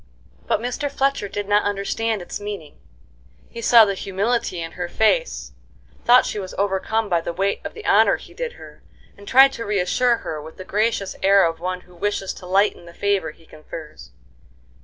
But Mr. Fletcher did not understand its meaning; he saw the humility in her face, thought she was overcome by the weight of the honor he did her, and tried to reassure her with the gracious air of one who wishes to lighten the favor he confers.